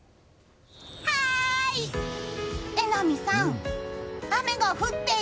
はい！